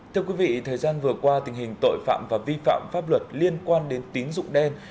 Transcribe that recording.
thời gian vừa qua tình hình tội phạm và vi phạm pháp luật liên quan đến tín dụng đen